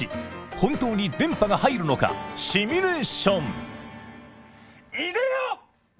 本当に電波が入るのかシミュレーション！